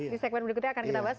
di segmen berikutnya akan kita bahas